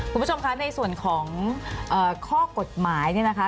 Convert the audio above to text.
คุณผู้ชมคะในส่วนของข้อกฎหมายเนี่ยนะคะ